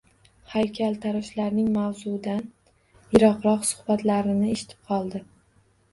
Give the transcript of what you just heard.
Haykaltaroshlarning mavzudan yiroqroq suhbatlarini eshitib qoldi.